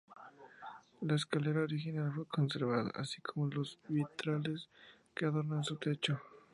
La escalera original fue conservada, así como los vitrales que adornan su techo.